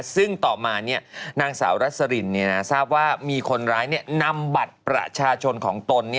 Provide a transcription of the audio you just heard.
ซึ่งต่อมานางสาวรัสรินทราบว่ามีคนร้ายนำบัตรประชาชนของตน